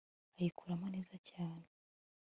ayikuramo neza cyane